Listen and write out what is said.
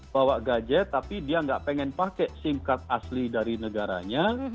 bawa gadget tapi dia nggak pengen pakai sim card asli dari negaranya